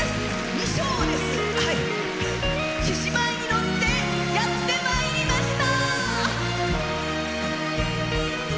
衣装です、獅子舞に乗ってやってまいりました。